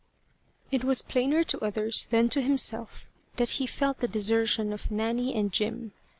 It was plainer to others than to himself that he felt the desertion of Nanny and Jim.